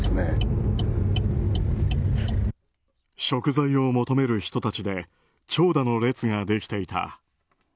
食材を求める人たちで長蛇の列ができていた。